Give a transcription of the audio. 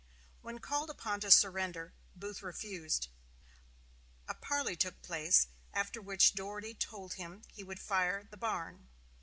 When called upon to surrender, Booth refused. A parley took place, after which Doherty told him he would fire the barn.